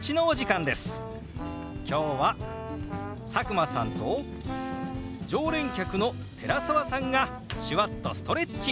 今日は佐久間さんと常連客の寺澤さんが手話っとストレッチ。